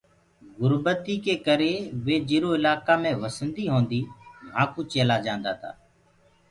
گُربتي ڪي ڪري وي جرو اِلاڪآ مي وسنديٚ هونٚديٚ وهانٚ ڪٚوُ چيلآ جآنٚدآ تآ۔